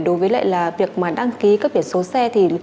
đối với lại là việc mà đăng ký cấp biển số xe thì